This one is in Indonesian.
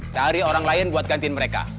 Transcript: cari orang lain buat gantiin mereka